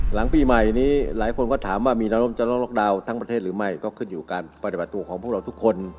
หลังปีใหม่นี้หลายคนก็ถามว่ามีแนวร่มจะต้องล็อกดาวน์ทั้งประเทศหรือไม่ก็ขึ้นอยู่การปฏิบัติตัวของพวกเราทุกคน